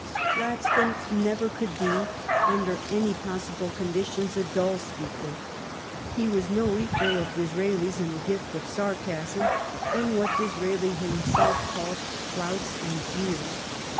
Gladstone never could be, under any possible conditions, a dull speaker. He was no equal of Disraelis in the gift of sar casm and what Disraeli himself called " flouts and jeers."